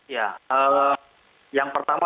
ya yang pertama